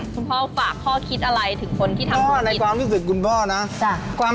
คุณพ่อฝากพ่อคิดอะไรถึงคนที่ทำผิดป๊อบอ่ะในความรู้สึกคุณพ่อนะ